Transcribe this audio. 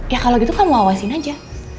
ya kalau gitu kamu awasin aja